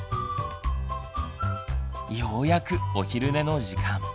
ようやくお昼寝の時間。